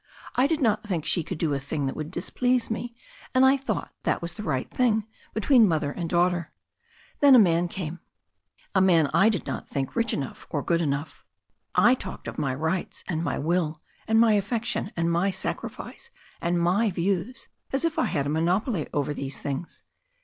I did not think she could do a thing that would displease me, and I thought that was the right thing between mother and daugh ter. Then the man came — a man I did not think rich enough THE STORY OF A NEW ZEALAND RIVER 245 or good enough. I talked of my rights and my will, and my afiFection and my sacrifice, and my views, as if I had a monopoly over these things.